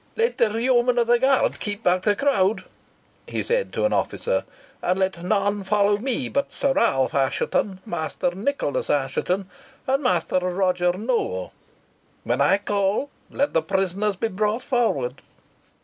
"Let the yeomen of the guard keep back the crowd," he said to an officer, "and let none follow me but Sir Ralph Assheton, Master Nicholas Assheton, and Master Roger Nowell. When I call, let the prisoners be brought forward."